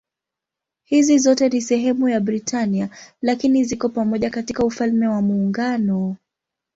Hizi zote si sehemu ya Britania lakini ziko pamoja katika Ufalme wa Muungano.